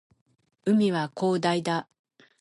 海は広大だ